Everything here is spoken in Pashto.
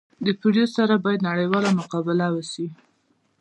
د پولیو سره باید نړیواله مقابله وسي